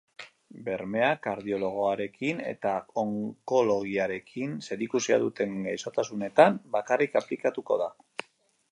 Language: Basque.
Bermea kardiologiarekin eta onkologiarekin zerikusia duten gaixotasunetan bakarrik aplikatuko da.